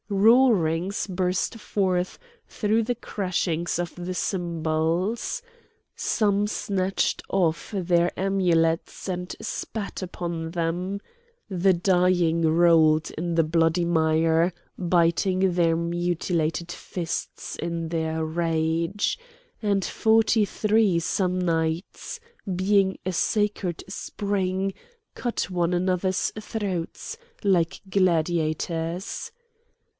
Roarings burst forth through the crashings of the cymbals. Some snatched off their amulets and spat upon them. The dying rolled in the bloody mire biting their mutilated fists in their rage; and forty three Samnites, quite a "sacred spring," cut one another's throats like gladiators.